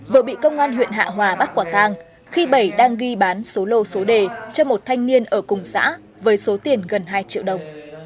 vừa bị công an huyện hạ hòa bắt quả tang khi bảy đang ghi bán số lô số đề cho một thanh niên ở cùng xã với số tiền gần hai triệu đồng